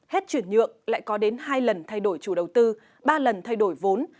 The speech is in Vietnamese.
hết chuyển nhượng lại có đến hai lần thay đổi chủ đầu tư ba lần thay đổi vốn